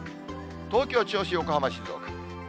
東京、銚子、横浜、静岡。